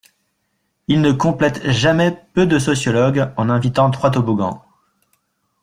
Il ne complète jamais peu de sociologues en invitant trois toboggans.